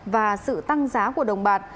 và sự tăng giá của đồng bạt